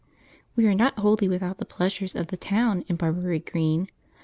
We are not wholly without the pleasures of the town in Barbury Green.